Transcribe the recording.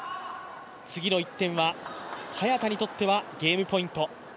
次の１点は早田にとってはゲームポイント。